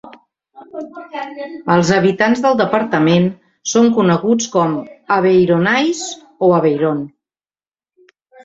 Els habitants del departament són coneguts com Aveyronnais o Aveyron.